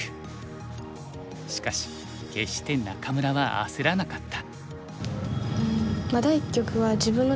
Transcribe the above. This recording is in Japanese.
しかし決して仲邑は焦らなかった。